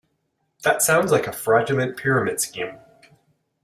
That sounds like a fraudulent pyramid scheme.